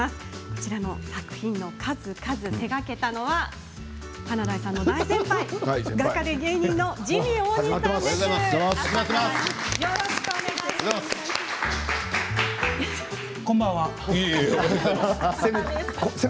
こちらの作品の数々を手がけたのは華大さんの大先輩画家で芸人のジミー大西さんです。